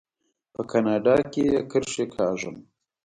په کاناډا کې اکرښې کاږم.